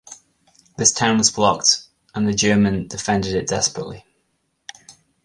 This town was blocked, and the German defended it desperately.